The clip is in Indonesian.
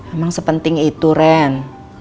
emang sepenting itu ren